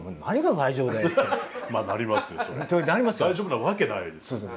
大丈夫なわけないですよね。